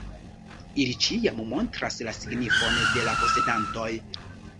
Ili ĉiam montras la signifon de la posedantoj.